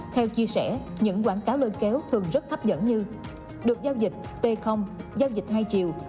theo chia sẻ những quảng cáo lôi kéo thường rất hấp dẫn như được giao dịch t giao dịch hai chiều